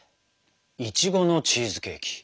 いちごのチーズケーキ。